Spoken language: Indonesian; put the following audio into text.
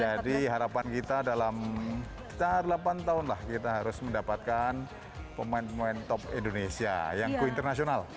jadi harapan kita dalam sekitar delapan tahun lah kita harus mendapatkan pemain pemain top indonesia yang go international